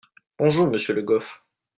Bonjour monsieur Le Goff.